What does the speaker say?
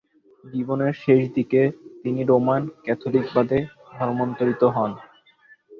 জীবনের শেষ দিকে তিনি রোমান ক্যাথলিকবাদে ধর্মান্তরিত হন।